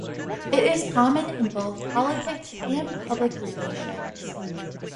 It is common in both politics and public relations.